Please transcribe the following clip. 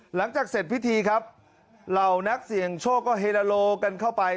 หลังจากเสร็จพิธีครับเหล่านักเสี่ยงโชคก็เฮลาโลกันเข้าไป